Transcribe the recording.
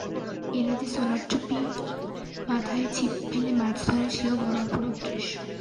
এরা যে সোলার চুপি মাথায় ছিপ ফেলে মাছ ধরে, সেও বড়ো অপরূপ দৃশ্য।